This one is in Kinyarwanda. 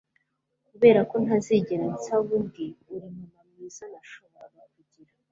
kuberako ntazigera nsaba undi, uri mama mwiza nashoboraga kugira